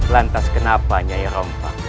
lantas kenapanya ya rompak